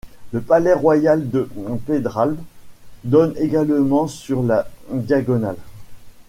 Le palais royal de Pedralbes donne également sur la Diagonale.